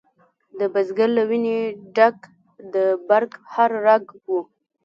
د بزګر له ویني ډک د برګ هر رګ و